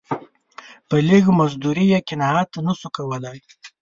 په لږ مزدوري یې قناعت نه سو کولای.